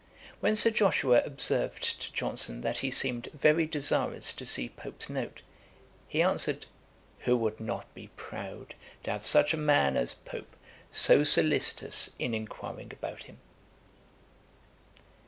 When Sir Joshua observed to Johnson that he seemed very desirous to see Pope's note, he answered, 'Who would not be proud to have such a man as Pope so solicitous in inquiring about him?'